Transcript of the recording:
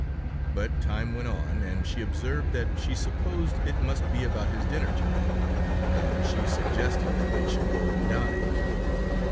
But time went on, and she observed that she supposed it must be about his dinner time, and she suggested that they should go and dine.